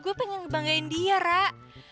gue pengen ngebanggain dia rak